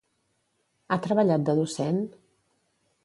Ha treballat de docent?